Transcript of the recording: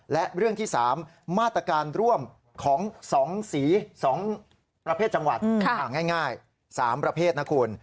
และเรื่องที่๓มาตรการร่วมของ๒สี๒ประเภทจังหวัดง่าย๓ประเภทนะคุณ